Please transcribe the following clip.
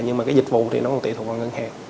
nhưng mà cái dịch vụ thì nó còn tùy thuộc vào ngân hàng